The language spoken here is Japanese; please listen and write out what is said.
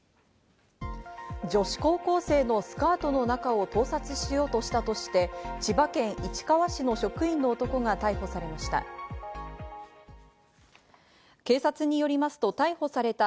女子高校生のスカートの中を盗撮しようとしたとして、千葉県市川市の職員の男が逮捕されました。